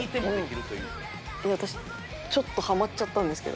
私ちょっとハマっちゃったんですけど。